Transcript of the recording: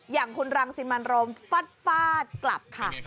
อย่างคุณรังสิมันโรมฟาดกลับค่ะ